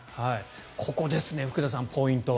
ここですね、福田さんポイントは。